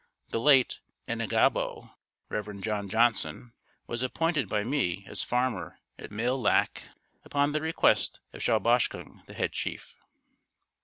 The late Ennegahbow (Rev. John Johnson) was appointed by me as farmer at Mille Lac upon the request of Shawboshkung, the head chief.